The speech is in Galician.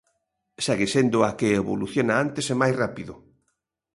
Segue sendo a que evoluciona antes e máis rápido.